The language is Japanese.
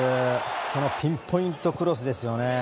このピンポイントクロスですよね。